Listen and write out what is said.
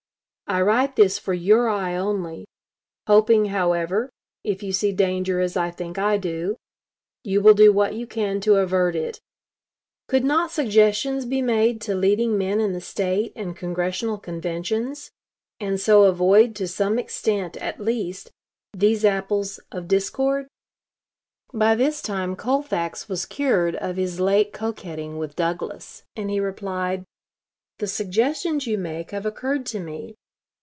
I write this for your eye only; hoping, however, if you see danger as I think I do, you will do what you can to avert it. Could not suggestions be made to leading men in the State and Congressional conventions, and so avoid, to some extent at least, these apples of discord." Colfax to Lincoln, July 14, 1859. MS. By this time Colfax was cured of his late coquetting with Douglas, and he replied: "The suggestions you make have occurred to me....